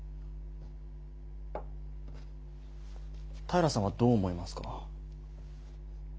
平さんはどう思いますか？